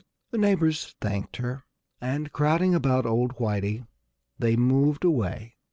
The neighbors thanked her. And crowding about old Whitey they moved away.